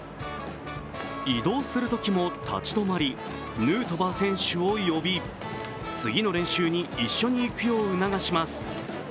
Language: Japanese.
移動するときも立ち止まり、ヌートバー選手を呼び、次の練習に一緒に行くよう促します。